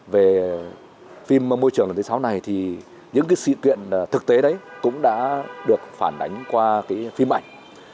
về phim môi trường lần thứ sáu này thì những cái sự kiện thực tế đấy cũng đã được phản ánh qua cái phim ảnh